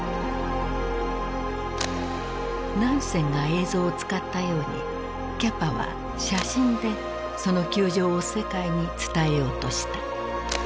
ナンセンが映像を使ったようにキャパは写真でその窮状を世界に伝えようとした。